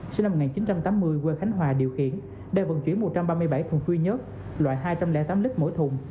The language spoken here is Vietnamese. sinh năm một nghìn chín trăm tám mươi quê khánh hòa điều khiển đang vận chuyển một trăm ba mươi bảy thùng quy nhớt loại hai trăm linh tám lít mỗi thùng